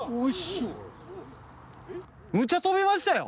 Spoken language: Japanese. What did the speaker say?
むちゃ飛びましたよ！